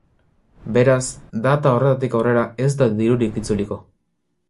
Beraz, data horretatik aurrera ez da dirurik itzuliko.